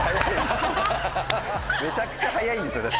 めちゃくちゃ速いんですよ。